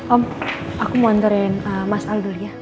om aku mau ntarin mas aldo dulu ya